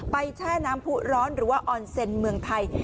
แช่น้ำผู้ร้อนหรือว่าออนเซ็นเมืองไทย